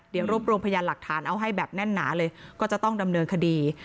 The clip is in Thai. เดี๋ยวรวบรวมพยานหลักฐานเอาให้แบบแน่นหนาเลยก็จะต้องดำเนินคดี